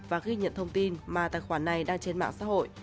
và ghi nhận thông tin mà tài khoản này đăng trên mạng xã hội